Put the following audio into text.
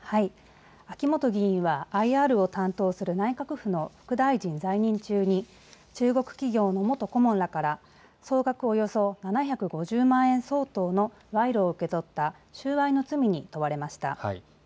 秋元議員はＩＲを担当する内閣府の副大臣在任中に中国企業の元顧問らから総額およそ７５０万円相当の賄賂を受け取った収賄の罪に問われました。